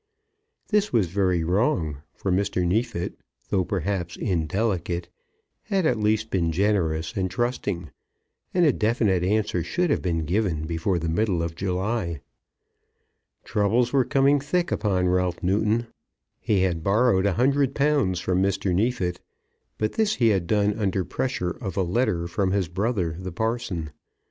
This was very wrong; for Mr. Neefit, though perhaps indelicate, had at least been generous and trusting; and a definite answer should have been given before the middle of July. Troubles were coming thick upon Ralph Newton. He had borrowed a hundred pounds from Mr. Neefit, but this he had done under pressure of a letter from his brother the parson.